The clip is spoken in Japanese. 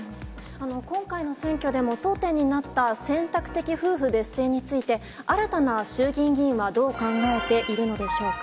今回の選挙でも争点になった選択的夫婦別姓について、新たな衆議院議員はどう考えているのでしょうか。